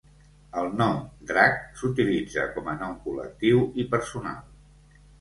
El nom "Drakh" s"utilitza com a nom col·lectiu i personal.